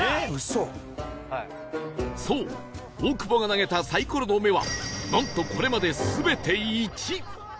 そう大久保が投げたサイコロの目はなんとこれまで全て「１」